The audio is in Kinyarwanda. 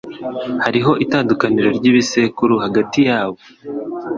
Hariho itandukaniro ryibisekuru hagati yabo.